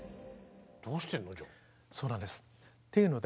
どうしてるの？